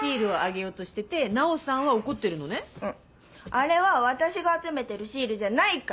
あれは私が集めてるシールじゃないから！